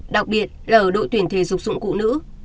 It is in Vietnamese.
đặc biệt là ở đội tuyển thể dục dụng cụ nữ